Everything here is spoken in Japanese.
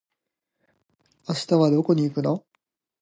明日はどこに行くの？